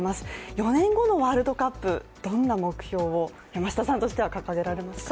４年後のワールドカップ、どんな目標を山下さんとしては掲げられますか？